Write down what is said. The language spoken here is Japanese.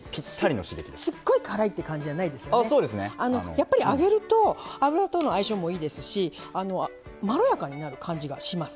やっぱり揚げると油との相性もいいですしまろやかになる感じがします。